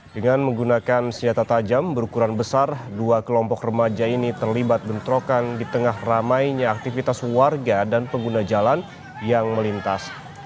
dengan menggunakan senjata tajam berukuran besar dua kelompok remaja ini terlibat bentrokan di tengah ramainya aktivitas warga dan pengguna jalan yang melintas